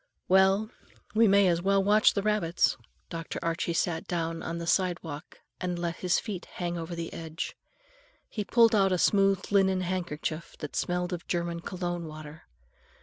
"Well, we may as well watch the rabbits." Dr. Archie sat down on the sidewalk and let his feet hang over the edge. He pulled out a smooth linen handkerchief that smelled of German cologne water.